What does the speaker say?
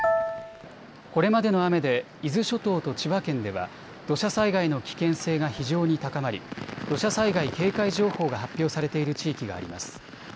これまでの雨で伊豆諸島と千葉県では土砂災害の危険性が非常に高まり土砂災害警戒情報が発表されている地域があります。